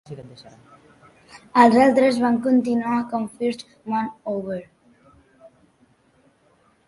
Els altres van continuar com First Man Over.